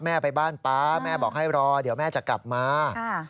แม่ไปบ้านป๊าแม่บอกให้รอเดี๋ยวแม่จะกลับมา